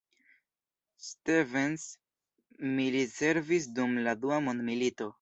Stevens militservis dum la Dua Mondmilito.